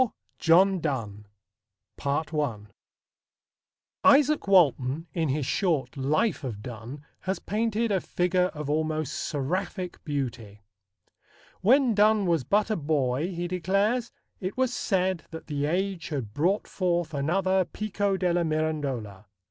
IV. JOHN DONNE Izaak Walton in his short life of Donne has painted a figure of almost seraphic beauty. When Donne was but a boy, he declares, it was said that the age had brought forth another Pico della Mirandola.